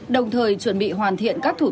đồng thời chuẩn bị hoàn thiện các thủ tục